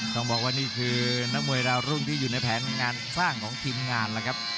ต้องบอกว่านี่คือนักมวยดาวรุ่งที่อยู่ในแผนงานสร้างของทีมงานแล้วครับ